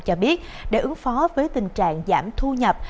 cho biết để ứng phó với tình trạng giảm thu nhập